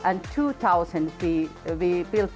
dan dua ribu kali kami membangunnya